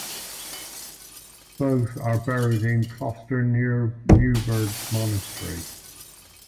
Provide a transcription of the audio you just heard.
Both are buried in Klosterneuburg Monastery.